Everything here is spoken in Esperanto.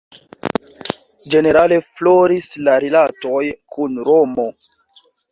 Ĝenerale floris la rilatoj kun Romo.